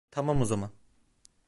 Tamam, o zaman.